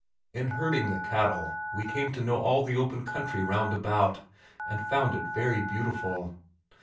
In herding the cattle we came to know all the open country round about and found it very beautiful.